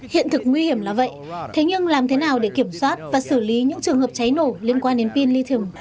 hiện thực nguy hiểm là vậy thế nhưng làm thế nào để kiểm soát và xử lý những trường hợp cháy nổ liên quan đến pin lithium